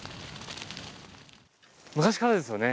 昔からですよね。